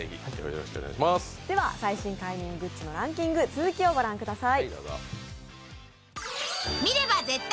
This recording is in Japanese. では最新快眠グッズのランキング、続きを御覧ください。